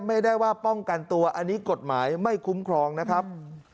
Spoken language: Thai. ไม่ได้ว่าป้องกันตัวอันนี้กฎหมายไม่คุ้มครองนะครับ